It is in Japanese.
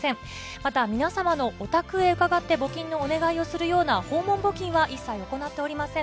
また皆様のお宅へ伺って募金のお願いをするような訪問募金は一切行っておりません。